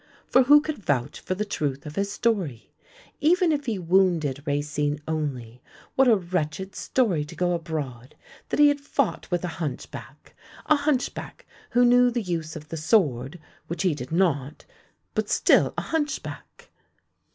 For who could vouch for the truth of his story? Even if he wounded Racine only, what a wretched story to go abroad; that he had fought with a hunchback — a hunchback who knew the use of the sword, which he did not, but still a hunchback!